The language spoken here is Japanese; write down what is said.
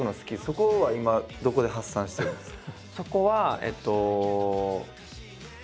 そこは今どこで発散してるんですか？